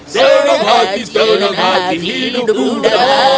serang hati senang hati hidup muda